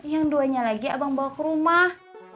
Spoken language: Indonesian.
yang duanya lagi abang bawa ke rumah